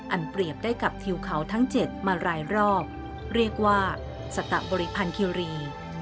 เปรียบได้กับทิวเขาทั้ง๗มารายรอบเรียกว่าสตะบริพันธ์คิรี